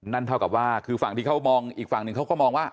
เท่ากับว่าคือฝั่งที่เขามองอีกฝั่งหนึ่งเขาก็มองว่า